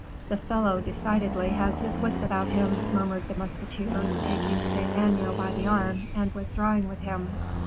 "The fellow decidedly has his wits about him," murmured the musketeer, taking Saint Aignan by the arm, and withdrawing with him.